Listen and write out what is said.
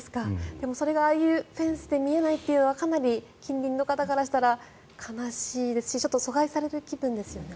でも、それがああいうフェンスで見えないというのはかなり近隣の方からしたら悲しいですし疎外される気分ですよね。